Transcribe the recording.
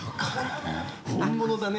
本物だね。